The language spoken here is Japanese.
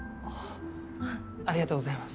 ありがとうございます。